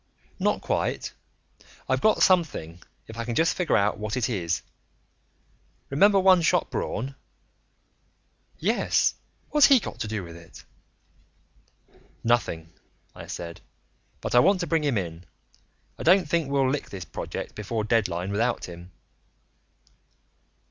"Not quite. I've got something, if I can just figure out what it is. Remember One Shot Braun?" "Yes. What's he got to do with it?" "Nothing," I said. "But I want to bring him in. I don't think we'll lick this project before deadline without him."